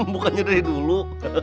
bukannya dari dulu